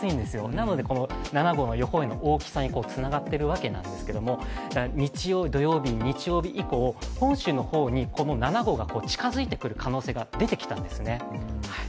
なので、この７号の予報円の大きさにつながっているわけなんですけど日曜日以降、本州の方に７号が近付いてくる可能性が出てきました。